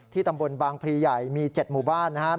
ตำบลบางพรีใหญ่มี๗หมู่บ้านนะครับ